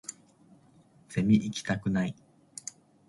ゼミ行きたくない